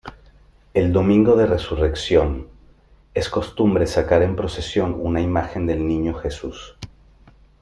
El Domingo de Resurrección, es costumbre sacar en procesión una imagen del Niño Jesús.